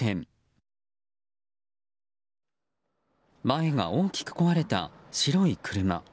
前が大きく壊れた、白い車。